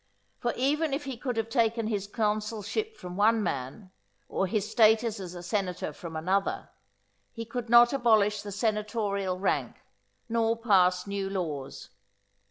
For even if he could have taken his consulship from one man, or his status as a senator from another, he could not abolish the senatorial rank nor pass new laws.